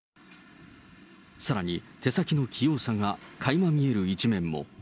さらに手先の器用さがかいま見える一面も。